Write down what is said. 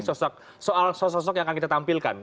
sosok sosok yang akan kita tampilkan